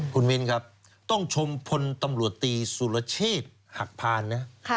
คุณมินครับต้องชมพลตำรวจตีสุรเชษฐ์หักพานนะ